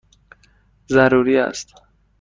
ضروری است!